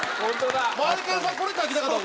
本当だ！